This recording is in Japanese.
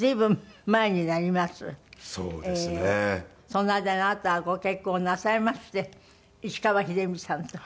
その間にあなたはご結婚をなさいまして石川秀美さんと。